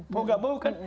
mau gak mau kan